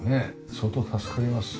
相当助かります。